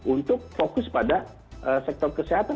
untuk fokus pada sektor kesehatan